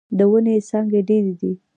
د ونې څانګې ډيرې دې.